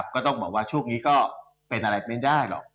ก็ต้องบอกว่าช่วงนี้ก็เป็นอะไรไม่ได้หรอก